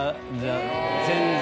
全然。